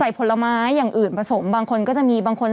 มะม่วงสุกก็มีเหมือนกันมะม่วงสุกก็มีเหมือนกัน